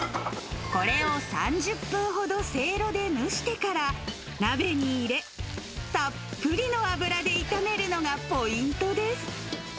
これを３０分ほどせいろで蒸してから、鍋に入れ、たっぷりの油で炒めるのがポイントです。